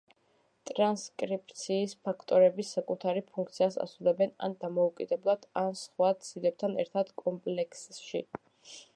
ტრანსკრიფციის ფაქტორები საკუთარ ფუნქციას ასრულებენ ან დამოუკიდებლად, ან სხვა ცილებთან ერთად კომპლექსში.